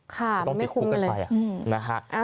ค่ะมันไม่คุ้มเลยต้องติดคุกกันไปนะฮะ